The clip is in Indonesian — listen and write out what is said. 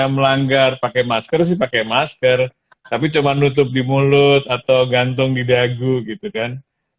melanggar pakai masker sih pakai masker tapi cuma nutup di mulut atau gantung di dagu gitu kan